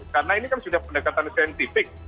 karena ini kan sudah pendekatan saintifik